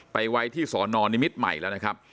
ไปไว้ที่สอนอนนิมิตรใหม่แล้วนะครับ